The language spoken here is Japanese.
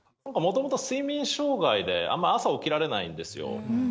もともと睡眠障害で、あんま朝起きられないんですよ。